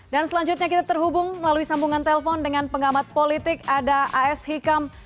dan selanjutnya kita terhubung melalui sambungan telpon dengan pengamat politik ada as hikam